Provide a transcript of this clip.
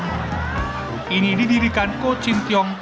grup ini didirikan ko chin tiong